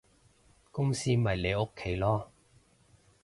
公司咪你屋企囉